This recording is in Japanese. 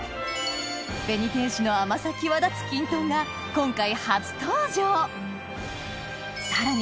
紅天使の甘さ際立つきんとんが今回初登場さらに